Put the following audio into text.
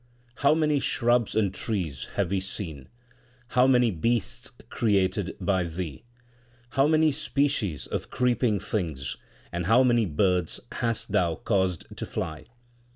How many shrubs and trees have we seen ! how many beasts created by Thee ! How many species of creeping things, and how many birds hast Thou caused to fly